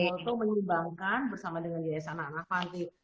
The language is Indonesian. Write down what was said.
jadi kalau tuh menyumbangkan bersama dengan yayasan anavanti